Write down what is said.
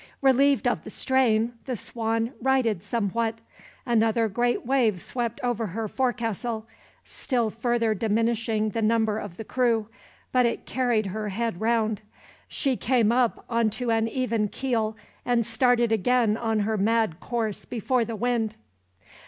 Relieved of the strain, the Swan righted somewhat. Another great wave swept over her forecastle, still further diminishing the number of the crew, but it carried her head round. She came up onto an even keel, and again started on her mad course before the wind.